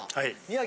はい。